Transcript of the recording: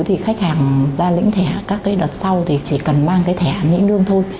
thì khách hàng ra lĩnh thẻ các đợt sau thì chỉ cần mang thẻ lĩnh lương thôi